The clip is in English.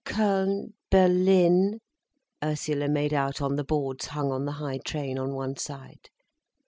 "Köln—Berlin—" Ursula made out on the boards hung on the high train on one side.